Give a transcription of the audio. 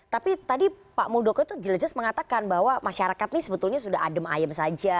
tapi tadi pak muldoko itu jelas jelas mengatakan bahwa masyarakat ini sebetulnya sudah adem ayem saja